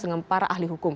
dengan para ahli hukum